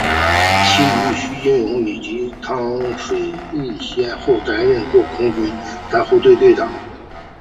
其中徐金蓉以及汤水易先后担任过空军救护队队长。